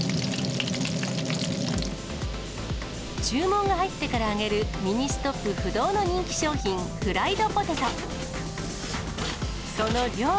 注文が入ってから揚げる、ミニストップ不動の人気商品、フライドポテト。